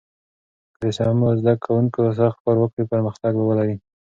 که د سمو زده کوونکو سخت کار وکړي، پرمختګ به ولري.